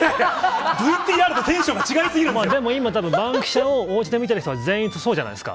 ＶＴＲとテンションが違いすでも今たぶん、バンキシャをおうちで見てる人は全員そうじゃないですか。